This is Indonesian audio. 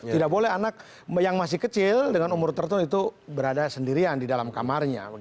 tidak boleh anak yang masih kecil dengan umur tertentu berada sendirian di dalam kamarnya